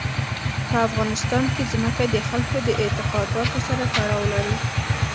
په افغانستان کې ځمکه د خلکو د اعتقاداتو سره تړاو لري.